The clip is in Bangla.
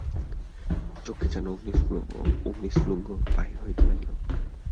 চক্ষে যেন অগ্নিস্ফুলিঙ্গ বাহির হইতে লাগিল।